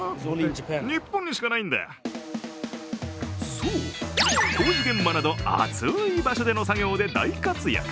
そう、工事現場など暑い場所での作業で大活躍。